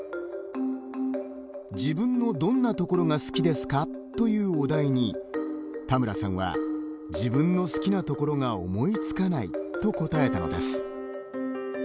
「自分のどんなところが好きですか」というお題に田村さんは「自分の好きなところが思いつかない」と答えたのです。